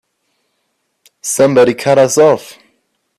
Somebody cut us off!